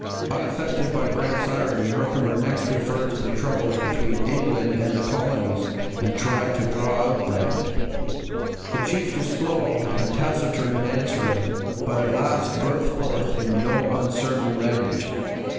Unaffected by Brant's irony, Herkimer next referred to the troubles between England and the colonies, and tried to draw out Brant. The chief was slow and taciturn in answering, but at last burst forth in no uncertain language.